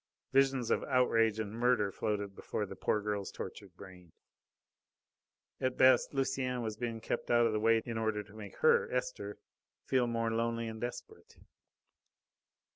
Visions of outrage and murder floated before the poor girl's tortured brain. At best, Lucienne was being kept out of the way in order to make her Esther feel more lonely and desperate!